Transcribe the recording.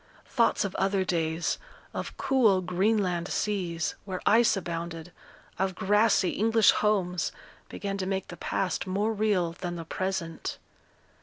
Thoughts of other days, of cool Greenland seas, where ice abounded, of grassy English homes, began to make the past more real than the present.